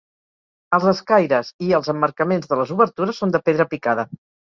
Els escaires i els emmarcaments de les obertures són de pedra picada.